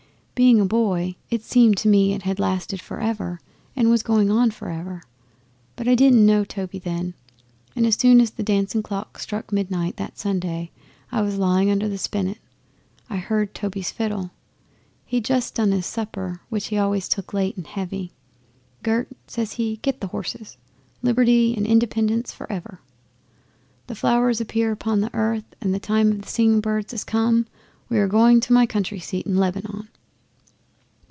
Being a boy, it seemed to me it had lasted for ever, and was going on for ever. But I didn't know Toby then. As soon as the dancing clock struck midnight that Sunday I was lying under the spinet I heard Toby's fiddle. He'd just done his supper, which he always took late and heavy. "Gert," says he, "get the horses. Liberty and Independence for Ever! The flowers appear upon the earth, and the time of the singing of birds is come. We are going to my country seat in Lebanon."